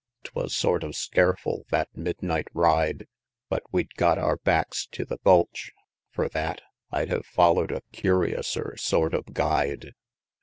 'Twas sort of scareful, that midnight ride; But we'd got our backs tew the gulch fur that I'd hev foller'd a curiouser sort of guide!